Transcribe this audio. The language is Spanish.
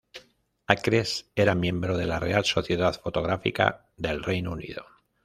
Acres era miembro de la Real Sociedad Fotográfica del Reino Unido.